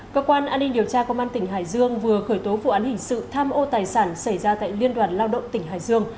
cơ quan an ninh điều tra công an tỉnh hải dương vừa khởi tố vụ án hình sự tham ô tài sản xảy ra tại liên đoàn lao động tỉnh hải dương